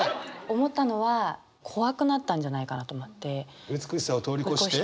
思ったのは怖くなったんじゃないかなと思って。